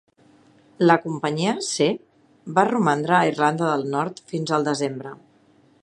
La companyia C va romandre a Irlanda del Nord fins al desembre.